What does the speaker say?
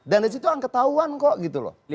dan disitu angketahuan kok gitu loh